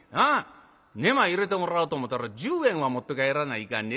寝間入れてもらおうと思たら十円は持って帰らないかん。